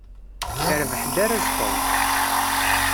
Irbeḥ-d araz Tom.